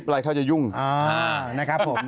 เป็นแบบนั้นอ่ะ